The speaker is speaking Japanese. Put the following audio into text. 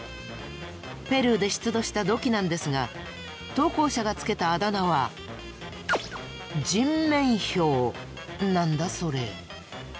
ペルーで出土した土器なんですが投稿者がつけたあだ名は何だそれ？